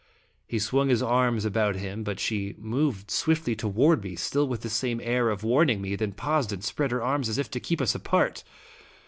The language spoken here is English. He swung his arms about him, but she moved swiftly toward me, still with the same air of warning me, then paused and spread her arms, as if to keep us apart.